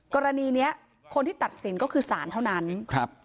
กรณีเนี้ยคนที่ตัดสินก็คือสารเท่านั้นครับ